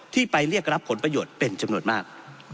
ที่ไปเรียกรับผลประโยชน์เป็นจำนวนมาก